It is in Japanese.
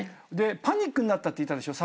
パニックになったって言ったでしょ？